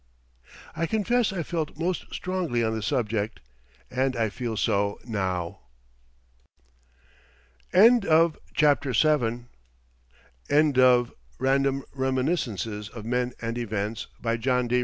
I confess I felt most strongly on the subject, and I feel so now. End of the Project Gutenberg EBook of Random Reminiscences of Men and Events by John D.